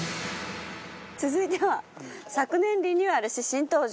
続いては昨年リニューアルし新登場。